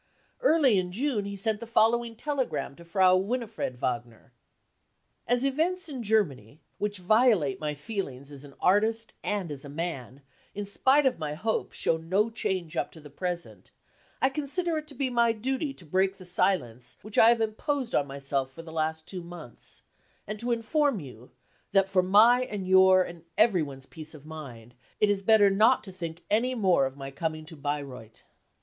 Early in June he sent the following telegram to Frau Winnifred Wagner :_" As events in Germany, which violate my feelings as an artist and as a man, in spite of my hopes show no change up to the present, I consider it to be my duty to break the silence which I have imposed on myself for the last two months, and to inform you that for my and your and everyone's peace of mind 'it is better not to thinks any more of my coming to Bayreuth.